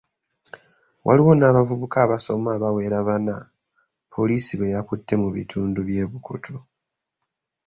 Waliwo n’abavubuka abasoma abawera bana, poliisi be yakutte mu bitundu by’e Bukoto.